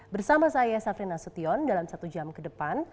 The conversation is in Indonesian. bersama saya safrina sution dalam satu jam ke depan